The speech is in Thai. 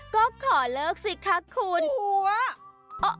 ก็ขอเลิกสิคะคุณหัว